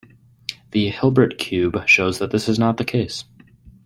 The Hilbert cube shows that this is not the case.